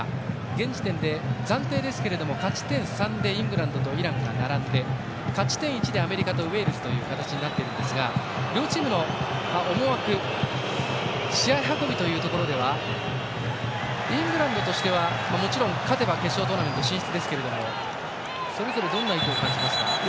現時点で暫定ですが勝ち点３でイングランドとイランが並んで勝ち点１でアメリカとウェールズという形になっていますが両チームの思惑試合運びというところではイングランドとしてはもちろん、勝てば決勝トーナメント進出ですがそれぞれどんな意図を感じますか？